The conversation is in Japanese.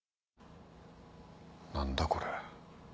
何だこれ。